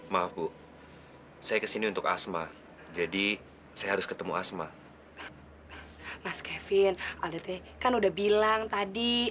maaf bu saya kesini untuk asma jadi saya harus ketemu asma mas kevin anda kan udah bilang tadi